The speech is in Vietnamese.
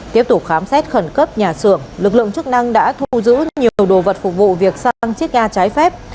tiếp tục khám xét khẩn cấp nhà xưởng lực lượng chức năng đã thu giữ nhiều đồ vật phục vụ việc sang chiếc ga trái phép